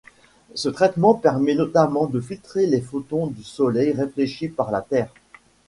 Ce traitement permet notamment de filtrer les photons du Soleil réfléchis par la Terre.